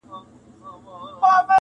• ماته شجره یې د نژاد او نصب مه راوړئ..